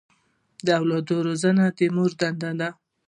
د اولاد روزنه د مور دنده ده.